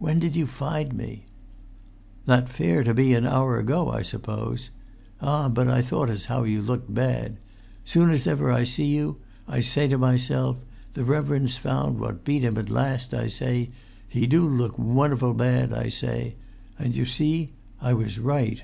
"When did you find me?" "That fare to be an hour ago, I suppose. Ah, but I thought as how you looked bad! Soon as ever I see you, I say to myself, 'The reverend's found what beat him at last,' I say; 'he do look wunnerful bad,' I say. And you see, I was right."